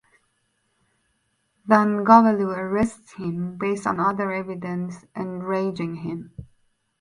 Thangavelu arrests him based on other evidence enraging him.